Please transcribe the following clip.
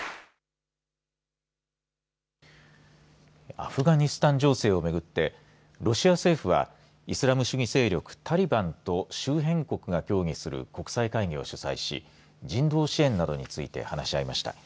アフガニスタン情勢をめぐってロシア政府はイスラム主義勢力タリバンと周辺国が協議する国際会議を主催し人道支援などについて話し合いました。